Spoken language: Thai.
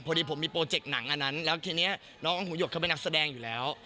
พอดีผมมีโปรเจกต์หนังอันนั้นแล้วทีนี้น้องหูหยดเขาเป็นนักแสดงอยู่แล้ว